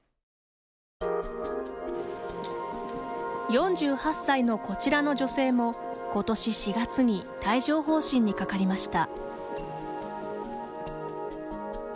４８歳のこちらの女性も今年４月に帯状ほう疹にかかりました。